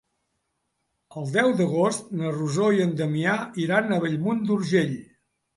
El deu d'agost na Rosó i en Damià iran a Bellmunt d'Urgell.